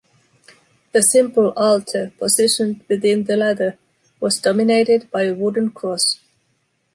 The simple altar, positioned within the latter, was dominated by a wooden cross.